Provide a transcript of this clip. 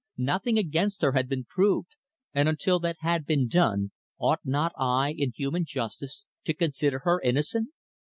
Nothing against her had been proved, and until that had been done, ought not I, in human justice, to consider her innocent?